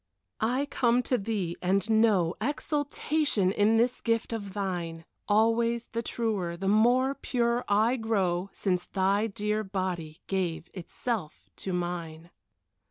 I come to thee, and know Exaltation in this gift of thine; Always the truer, the more pure I grow Since thy dear body gave itself to mine.